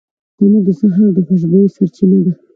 تنور د سهار د خوشبویۍ سرچینه ده